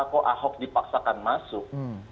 kok ahok dipaksakan masuk